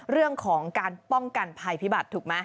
เรื่องของการป้องกันภัยพิบัตรถูกไหม